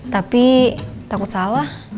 tapi takut salah